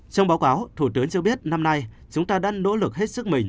trong báo cáo thủ tướng cho biết năm nay chúng ta đã nỗ lực hết sức mình